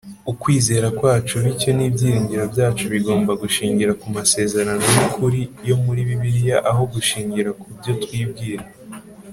Ukwizera kwacu bityo n'ibyiringiro byacu bigomba gushingira ku masezerano y'ukuri yo muri Bibiliya aho gushingira ku byo twibwira.